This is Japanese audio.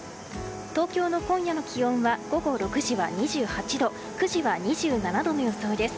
東京の今夜の気温は午後６時は２８度９時は２７度の予想です。